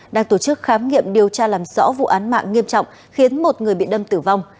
đang tổ chức khám nghiệm điều tra làm rõ vụ án mạng nghiêm trọng khiến một người bị đâm tử vong